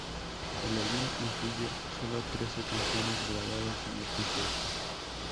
El álbum incluye solo trece canciones grabadas en el concierto.